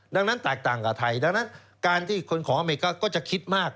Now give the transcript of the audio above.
ดังนั้นแตกต่างกับไทยดังนั้นการที่คนของอเมริกาก็จะคิดมาก